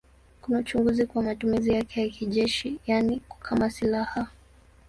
Kuna uchunguzi kwa matumizi yake ya kijeshi, yaani kama silaha.